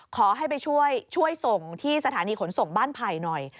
ขอให้ไปช่วยส่งที่สถานีขนส่งบ้านไผ่หน่อย